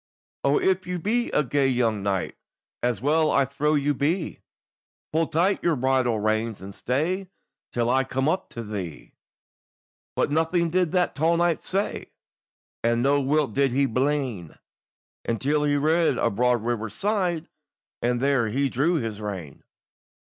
"O if you be a gay young knight, As well I trow you be, Pull tight your bridle reins, and stay Till I come up to thee." But nothing did that tall knight say, And no whit did he blin, Until he reached a broad river's side And there he drew his rein.